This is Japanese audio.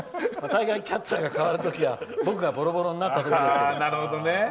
たいがいキャッチャーが代わる時は僕がボロボロになった時ですよ。